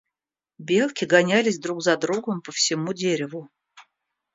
Белки гонялись друг за другом по всему дереву.